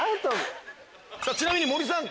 ちなみに森さん